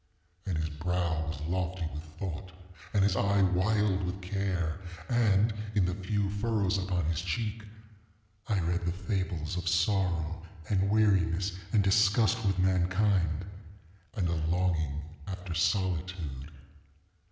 And his brow was lofty with thought, and his eye wild with care; and, in the few furrows upon his cheek I read the fables of sorrow, and weariness, and disgust with mankind, and a longing after solitude.